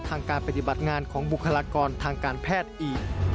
ทางการปฏิบัติงานของบุคลากรทางการแพทย์อีก